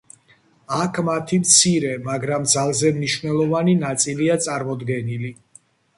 აქ მათი მცირე, მაგრამ ძალზე მნიშვნელოვანი ნაწილია წარმოდგენილი.